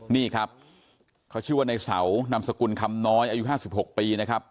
นี่ครับเขาชื่อว่าในเสานามสกุลคำน้อยอายุ๕๖ปีนะครับ